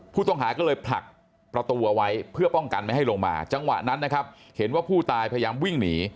ผู้ต้องหาก็เลยผลักประตูเอาไว้เพื่อป้องกันไม่ให้ลงมาจังหวะนั้นนะครับเห็นว่าผู้ตายพยายามวิ่งหนี